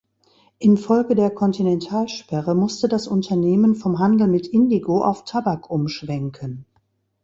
Infolge der Kontinentalsperre musste das Unternehmen vom Handel mit Indigo auf Tabak umschwenken.